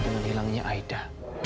dengan hilangnya aida